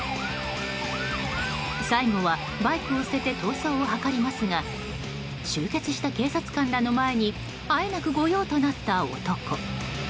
最後はバイクを捨てて逃走を図りますが集結した警察官らの前にあえなく御用となった男。